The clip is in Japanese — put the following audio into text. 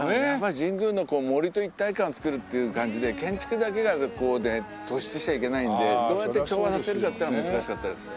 神宮の杜と一体感を作るっていう感じで建築だけが突出しちゃいけないのでどうやって調和させるかってのは難しかったですね。